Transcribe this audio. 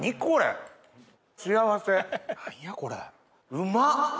うまっ！